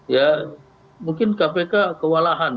ya mungkin kpk kewalahan